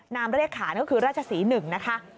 นามเรียกขานก็คือราชศรี๑นะคะ